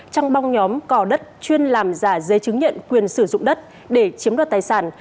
trong băng nhóm cò đất chuyên làm giả giấy chứng nhận quyền sử dụng đất để chiếm đoạt tài sản